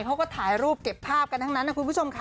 เขาก็ถ่ายรูปเก็บภาพกันทั้งนั้นนะคุณผู้ชมค่ะ